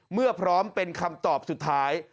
เมื่อพร้อมเป็นคำตอบสุดท้าย